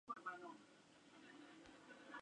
Las ramillas suaves y de color verde, girando a gris.